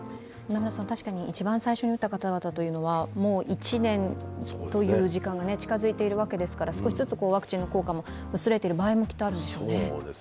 一番最初に打った方々というのはもう１年という時間が近づいているわけですから少しずつワクチンの効果も薄れてる場合もあるでしょうね。